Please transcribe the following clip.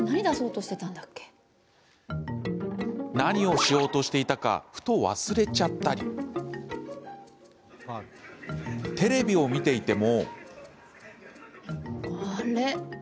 何をしようとしていたかふと、忘れちゃったりテレビを見ていても。